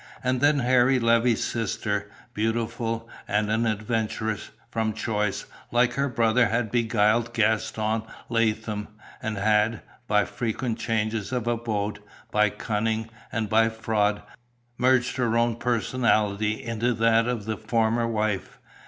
And then Harry Levey's sister, beautiful, and an adventuress, from choice, like her brother, had beguiled Gaston Latham, and had, by frequent changes of abode, by cunning, and by fraud, merged her own personality into that of the former wife.